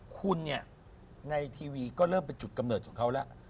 คุณเนี่ยในทีวีก็เริ่มเป็นจุดกำเนิดของเขาแล้ว